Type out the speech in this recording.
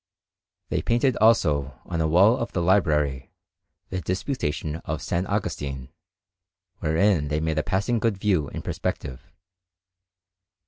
They painted, also, on a wall of the library, the Disputation of S. Augustine, wherein they made a passing good view in perspective.